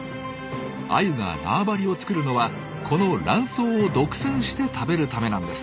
アユが縄張りを作るのはこのラン藻を独占して食べるためなんです。